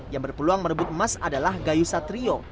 yang berpeluang merebut emas adalah gayu satrio